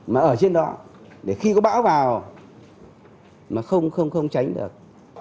mà ở trên đó để khi có bão vào mà không tránh được